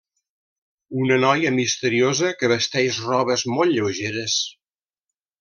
Una noia misteriosa, que vesteix robes molt lleugeres.